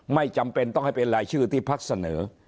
ไม่จำเป็นต้องให้เป็นรายชื่อที่พักเสนอ